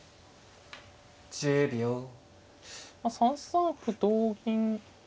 ３三歩同銀。